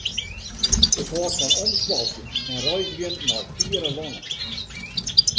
Ik hâld fan omswalkjen en reizgjen nei fiere lannen.